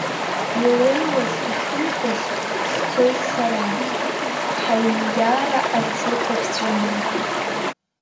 Илеиуаз, ихымкәоз, сцоит сара, ҳаиниара аҵыхәа ԥҵәаны.